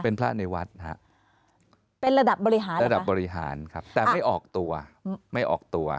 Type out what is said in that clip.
เป็นพระในวัดนะฮะเป็นระดับบริหารระดับบริหารครับแต่ไม่ออกตัวไม่ออกตัว